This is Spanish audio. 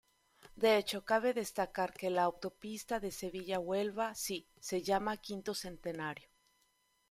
De hecho, cabe destacar que la Autopista de Sevilla-Huelva sí se llama V Centenario.